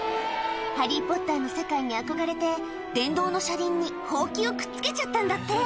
ハリー・ポッターの世界に憧れて電動の車輪にほうきをくっつけちゃったんだって。